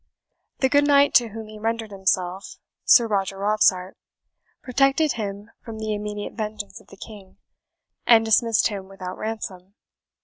The good knight to whom he rendered himself, Sir Roger Robsart, protected him from the immediate vengeance of the king, and dismissed him without ransom.